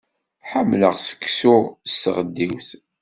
Ḥemmleɣ seksu s tɣeddiwt.